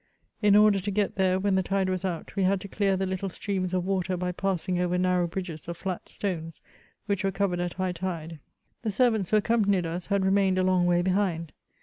In order to get there when the tide was out, we had to dear the little streams of water by passing over narrow bridges of flat stones, which were covered at high tide. The servants who accompanied us had remained a long way behind.